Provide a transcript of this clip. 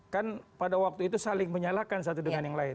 kan pada waktu itu saling menyalahkan satu dengan yang lain